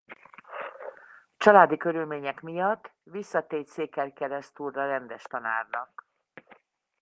Családi körülmények miatt visszatért Székelykeresztúrra rendes tanárnak.